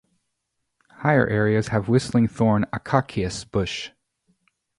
Higher areas have whistling thorn acacias bush.